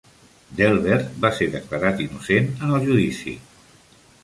Delbert va ser declarat innocent en el judici.